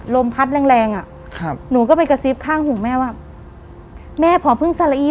ลมพัดแรงแรงอ่ะครับหนูก็ไปกระซิบข้างหูแม่ว่าแม่พอเพิ่งซาละอี้